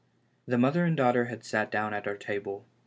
The mother and daughter had sat down at our table.